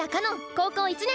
高校１年！